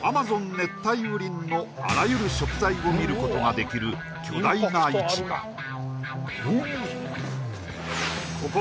熱帯雨林のあらゆる食材を見ることができる巨大な市場ああ